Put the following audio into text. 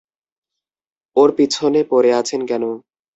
ওর পিছনে পরে আছেন কেন?